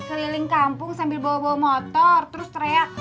keliling kampung sambil bawa bawa motor terus teriak